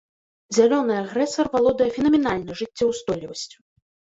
Зялёны агрэсар валодае фенаменальнай жыццеўстойлівасцю.